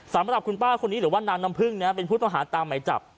สำหรับคุณป้าคนนี้หรือว่านางน้ำพึ่งเป็นผู้ต้องหาตามหมายจับ